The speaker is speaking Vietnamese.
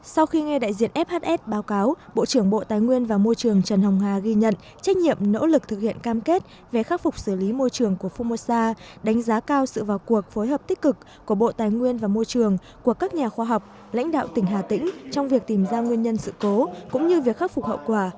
sau khi nghe đại diện fhs báo cáo bộ trưởng bộ tài nguyên và môi trường trần hồng hà ghi nhận trách nhiệm nỗ lực thực hiện cam kết về khắc phục xử lý môi trường của fumosa đánh giá cao sự vào cuộc phối hợp tích cực của bộ tài nguyên và môi trường của các nhà khoa học lãnh đạo tỉnh hà tĩnh trong việc tìm ra nguyên nhân sự cố cũng như việc khắc phục hậu quả